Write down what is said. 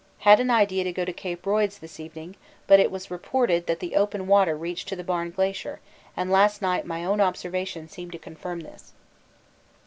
Had an idea to go to Cape Royds this evening, but it was reported that the open water reached to the Barne Glacier, and last night my own observation seemed to confirm this.